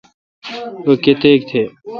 رو کتیک تہ۔